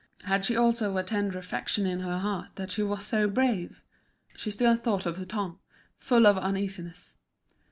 Had she also a tender affection in her heart that she was so brave? She still thought of Hutin, full of uneasiness.